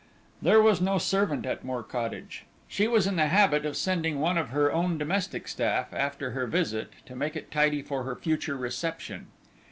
There was no servant at Moor Cottage. She was in the habit of sending one of her own domestic staff after her visit to make it tidy for her future reception.